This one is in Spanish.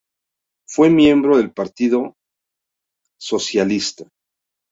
Fue miembro del partido Partido Socialista.